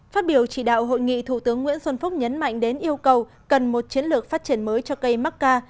phát biểu chỉ đạo hội nghị thủ tướng nguyễn xuân phúc nhấn mạnh đến yêu cầu cần một chiến lược phát triển mới cho cây mắc ca